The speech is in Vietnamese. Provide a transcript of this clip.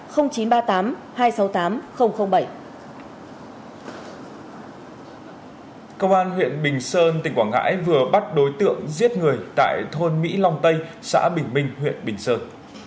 công an huyện bình sơn tỉnh quảng ngãi vừa bắt đối tượng giết người tại thôn mỹ long tây xã bình minh huyện bình sơn